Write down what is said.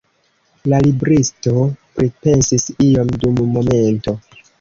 La libristo pripensis ion dum momento.